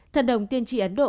thần đồng tiên tri ấn độ